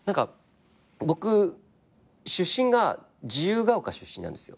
僕出身が自由が丘出身なんですよ。